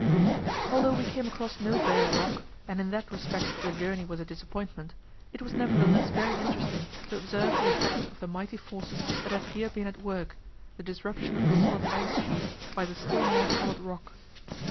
Although we came across no bare rock, and in that respect the journey was a disappointment, it was nevertheless very interesting to observe the effects of the mighty forces that had here been at work, the disruption of the solid ice sheath by the still more solid rock.